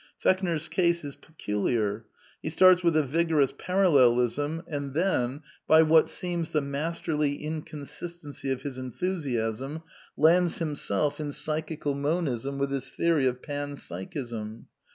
Fechner's case is peculiar. He starts with a vigorous Parallelism, and then, by what seems the masterly inconsistency of his enthusiasm, lands himself in Psychical Monism with his theory of Pan Psychism.